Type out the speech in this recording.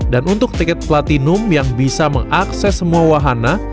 dan untuk tiket platinum yang bisa mengakses semua wahana